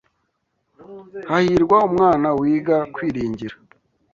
Hahirwa umwana wiga kwiringira